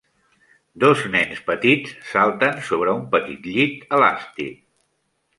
Dos nens petits salten sobre un petit llit elàstic.